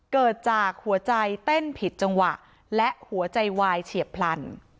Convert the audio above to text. เกิดจากหัวใจเต้นผิดจังหวะและหัวใจวายเฉียบพลัน